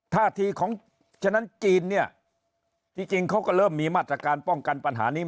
ท่าทีของฉะนั้นจีนเนี่ยที่จริงเขาก็เริ่มมีมาตรการป้องกันปัญหานี้